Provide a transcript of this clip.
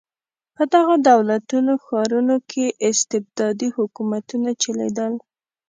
په دغو دولت ښارونو کې استبدادي حکومتونه چلېدل.